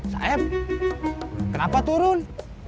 saeb kenapa turun